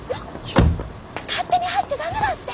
勝手に入っちゃダメだって！